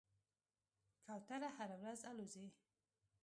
کوتره هره ورځ الوځي.